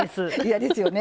嫌ですよね。